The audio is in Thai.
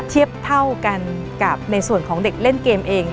เทียบเท่ากันกับในส่วนของเด็กเล่นเกมเอง